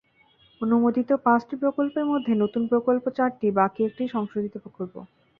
অনুমোদিত পাঁচটি প্রকল্পের মধ্যে নতুন প্রকল্প চারটি, বাকি একটি সংশোধিত প্রকল্প।